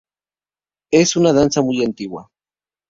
Es una danza muy antigua.